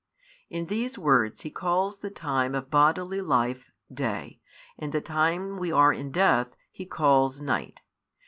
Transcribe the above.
In these words He calls the time of bodily life, day; and the time we are in death, He calls night.